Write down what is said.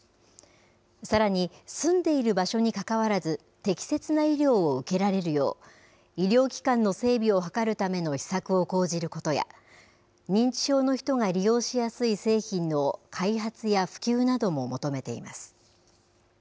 さらに、住んでいる場所にかかわらず、適切な医療を受けられるよう、医療機関の整備を図るための施策を講じることや、認知症の人が利用しやすい製品の開発や普及なども求めています。